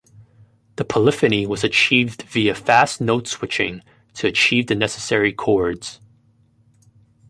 The polyphony was achieved via fast note-switching to achieve the necessary chords.